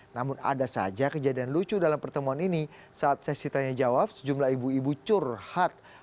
namun ada saja kejadian lucu dalam pertemuan ini saat sesi tanya jawab sejumlah ibu ibu curhat